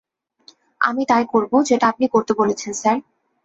আমি তাই করব যেটা আপনি করতে বলেছেন, স্যার।